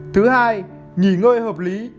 thứ hai nghỉ ngơi hợp lý